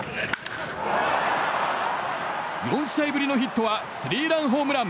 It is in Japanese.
４試合ぶりのヒットはスリーランホームラン！